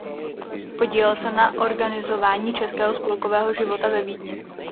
Podílel se na organizování českého spolkového života ve Vídni.